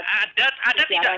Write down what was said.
ada ada tidak